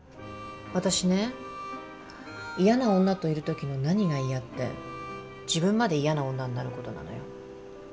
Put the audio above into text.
私ね嫌な女といる時の何が嫌って自分まで嫌な女になる事なのよ。